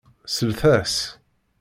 Slet-as!